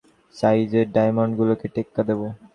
সাথীরা, আমরা এখন বড়সড় সাইজের ডায়মন্ডগুলোকে টেক্কা দেব!